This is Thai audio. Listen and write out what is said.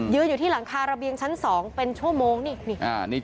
อยู่ที่หลังคาระเบียงชั้น๒เป็นชั่วโมงนี่